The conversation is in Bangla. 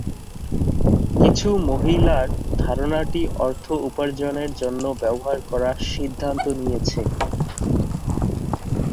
কিছু মহিলার ধারণাটি অর্থ উপার্জনের জন্য ব্যবহার করার সিদ্ধান্ত নিয়েছে।